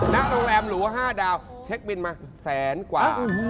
ณโรงแรมหรู๕ดาวเช็คบินมาแสนกว่า